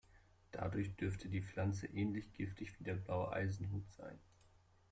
Dadurch dürfte die Pflanze ähnlich giftig wie der Blaue Eisenhut sein.